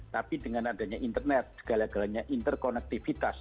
tapi dengan adanya internet segala galanya interkonektivitas